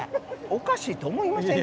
おかしいと思いませんか？